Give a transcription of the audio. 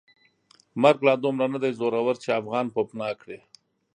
مرګ لا دومره ندی زورور چې افغان پوپناه کړي.